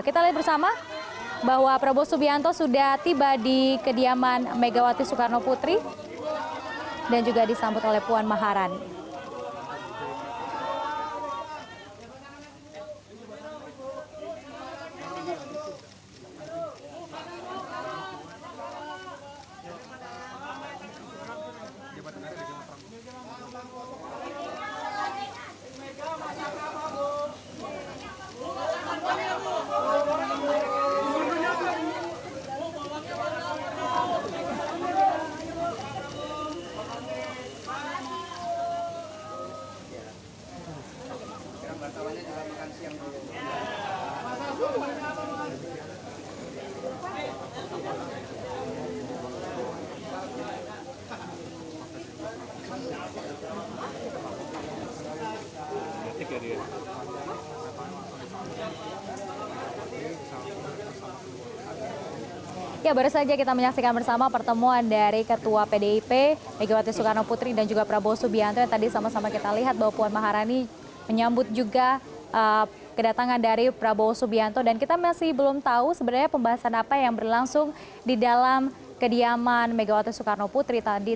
kita lihat bersama bahwa prabowo subianto sudah tiba di kediaman megawati soekarno putri dan juga disambut oleh puan maharani